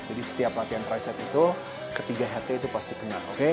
jadi setiap latihan tricep itu ketiga headnya itu pasti kena